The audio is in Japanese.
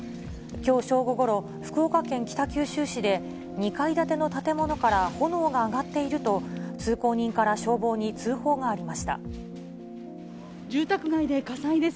きょう正午ごろ、福岡県北九州市で、２階建ての建物から炎が上がっていると、通行人から消防に通報が住宅街で火災です。